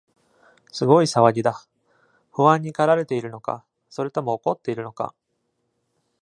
すごい騒ぎだ。不安にかられているのか、それとも怒っているのか？